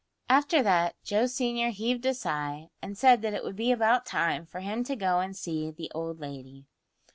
After that Joe senior heaved a sigh, and said that it would be about time for him to go and see the old lady.